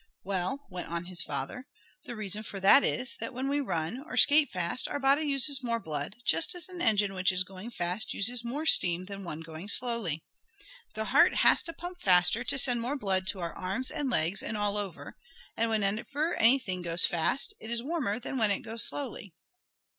"Well," went on his father, "the reason for that is, that when we run, or skate fast, our body uses more blood, just as an engine which is going fast uses more steam than one going slowly. The heart has to pump faster to send more blood to our arms and legs, and all over, and whenever anything goes fast, it is warmer than when it goes slowly.